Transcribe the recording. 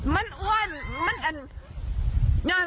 มันอ้วนมันแอ่น